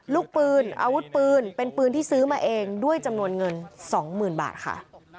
ลูกปืนอาวุธปืนเป็นปืนที่ซื้อมาเองด้วยจำนวนเงิน๒๐๐๐บาทค่ะ